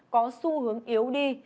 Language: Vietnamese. có xu hướng yếu đi